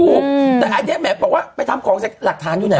ถูกแต่ไอ้เจ๊หมาบอกว่าไปทำของหลักฐานอยู่ไหนวะ